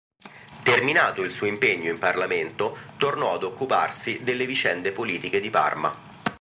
Terminato il suo impegno in Parlamento tornò ad occuparsi delle vicende politiche di Parma.